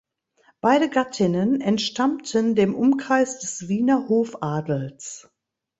Beide Gattinnen entstammten dem Umkreis des Wiener Hofadels.